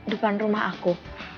depan rumah aku